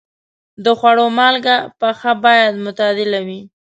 د خوړو مالګه پخه باید معتدله وي.